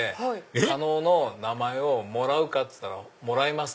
えっ⁉狩野の名前をもらうか？って言ったらもらいます！